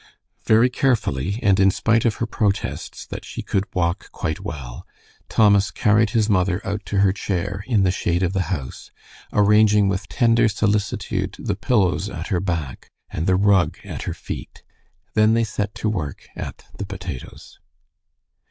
Very carefully, and in spite of her protests that she could walk quite well, Thomas carried his mother out to her chair in the shade of the house, arranging with tender solicitude the pillows at her back and the rug at her feet. Then they set to work at the potatoes.